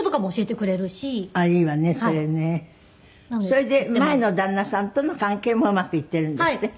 それで前の旦那さんとの関係もうまくいっているんですって？